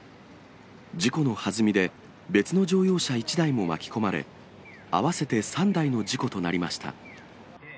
事故のはずみで、別の乗用車１台も巻き込まれ、合わせて３台の事故となりました。